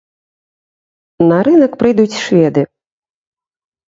На рынак прыйдуць шведы.